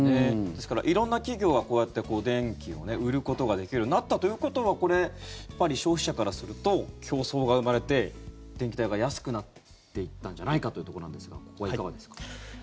ですから、色んな企業がこうやって電気を売ることができるようになったということは消費者からすると競争が生まれて電気代が安くなっていったんじゃないかというところなんですがここはいかがですか？